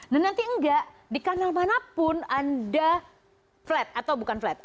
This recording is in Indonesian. nah nanti enggak di kanal manapun anda flat atau bukan flat